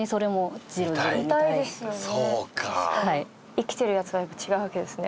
生きてるやつはやっぱ違うわけですね。